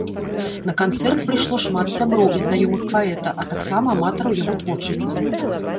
На канцэрт прыйшло шмат сяброў і знаёмых паэта, а таксама аматараў яго творчасці.